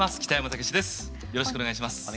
よろしくお願いします。